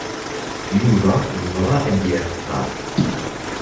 Yuba yebɣa ad d-yerr ttaṛ.